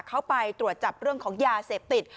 เขาไปตรวจจับเรื่องของยาเสพติด